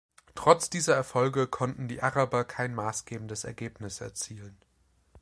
Trotz dieser Erfolge konnten die Araber kein maßgebendes Ergebnis erzielen.